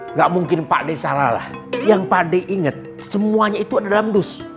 enggak mungkin pakde salah lah yang pade inget semuanya itu dalam dus